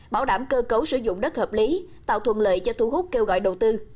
bảo đảm cơ cấu sử dụng đất hợp lý tạo thuận lợi cho thu hút kêu gọi đầu tư